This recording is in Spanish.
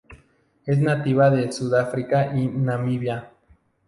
Es nativa de Sudáfrica y Namibia.